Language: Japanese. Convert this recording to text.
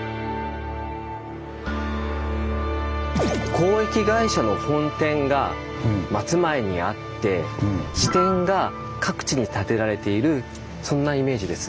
交易会社の本店が松前にあって支店が各地に建てられているそんなイメージです。